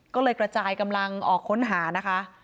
ก็เลยกระจายกำลังออกค้นหานะคะ